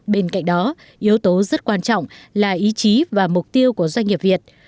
bên cạnh đó yếu tố rất quan trọng là ý chí và mục tiêu của doanh nghiệp việt